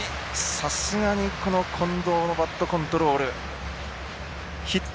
さすがにこの近藤のバットコントロールヒット